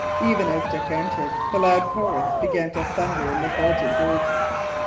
Even as Dick entered, the loud chorus began to thunder in the vaulted roofs.